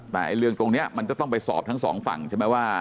แต่เรื่องตรงนี้มันก็ต้องไปสอบทั้งสองฝั่งใช่ไหมว่า